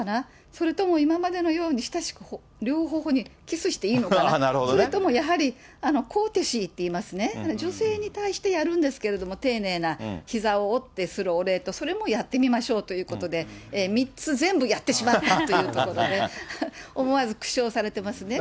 それとも今までのように親しく両ほほにキスしていいのかなと、それともやはり、コーテシーっていいますね、女性に対してやるんですけれども、丁寧なひざを折ってするお礼と、それもやってみましょうということで、３つ全部やってしまったというところで、思わず苦笑されてますね。